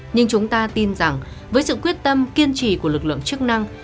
nhưng chúng ta tin rằng với sự quyết tâm kiên trì của lực lượng chức năng